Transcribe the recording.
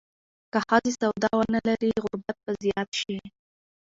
که ښځې سواد ونه لري، غربت به زیات شي.